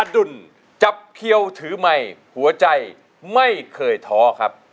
ดุลจับเขียวถือไมค์หัวใจไม่เคยท้อครับ